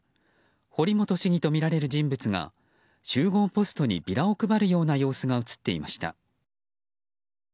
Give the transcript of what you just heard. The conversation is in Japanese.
堀本市議とみられる人物が集合ポストにビラを配るような様子が映っていました。